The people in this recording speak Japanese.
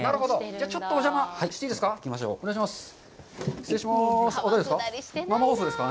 じゃあ、ちょっとお邪魔していいですか。